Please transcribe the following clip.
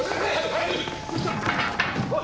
はい！